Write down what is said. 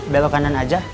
belok kanan aja